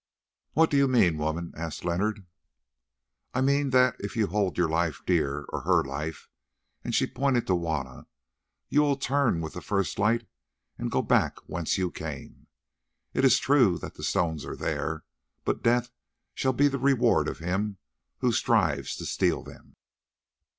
"What do you mean, woman?" asked Leonard. "I mean that if you hold your life dear, or her life," and she pointed to Juanna, "you will turn with the first light and go back whence you came. It is true that the stones are there, but death shall be the reward of him who strives to steal them."